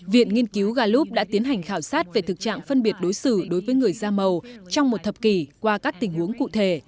viện nghiên cứu galub đã tiến hành khảo sát về thực trạng phân biệt đối xử đối với người da màu trong một thập kỷ qua các tình huống cụ thể